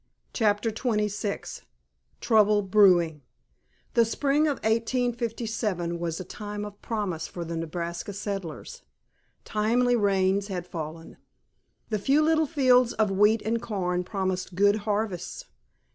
*CHAPTER XXVI* *TROUBLE BREWING* The spring of 1857 was a time of promise for the Nebraska settlers. Timely rains had fallen. The few little fields of wheat and corn promised good harvests.